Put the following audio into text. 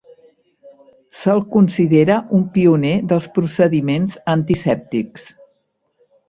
Se'l considera un pioner dels procediments antisèptics.